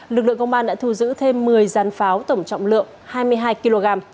lực lượng công an đã thu giữ thêm một mươi dàn pháo tổng trọng lượng hai mươi hai kg